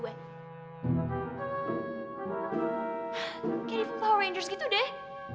kayak di power rangers gitu deh